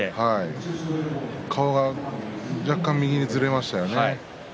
顔が若干、右にずれましたよね。